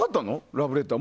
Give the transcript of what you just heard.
ラブレター。